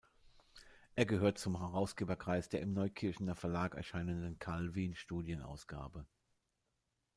Er gehört zum Herausgeberkreis der im Neukirchener Verlag erscheinenden Calvin-Studienausgabe.